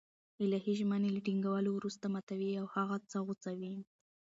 الهي ژمني له ټينگولو وروسته ماتوي او هغه څه غوڅوي